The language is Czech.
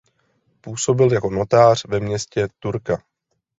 Působil jako notář ve městě Turka.